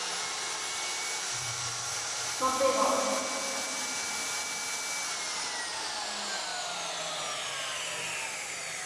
papiġuq